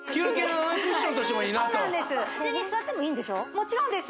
もちろんです